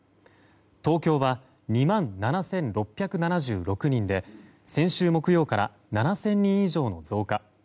東京は２万７６７６人で先週木曜から７０００人以上の増加。